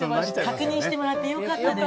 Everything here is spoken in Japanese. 確認してもらってよかったです。